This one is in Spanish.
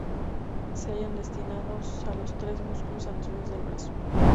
Se hallan destinados a los tres músculos anteriores del brazo.